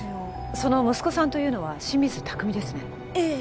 その息子さんというのは清水拓海ですねええ